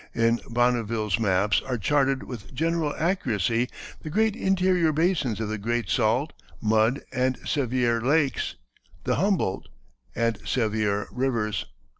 In Bonneville's maps are charted with general accuracy the great interior basins of the Great Salt, Mud, and Sevier Lakes, the Humboldt and Sevier Rivers.